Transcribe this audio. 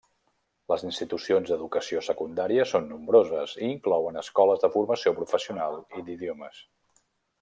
Les institucions d'educació secundària són nombroses i inclouen escoles de formació professional i d'idiomes.